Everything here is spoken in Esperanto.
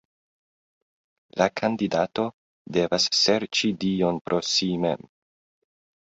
La kandidato devas serĉi Dion pro si mem.